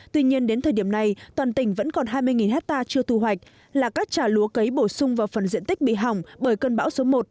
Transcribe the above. tuy nhiên đến thời điểm này toàn tỉnh vẫn còn hai mươi hectare chưa thu hoạch là các trà lúa cấy bổ sung vào phần diện tích bị hỏng bởi cơn bão số một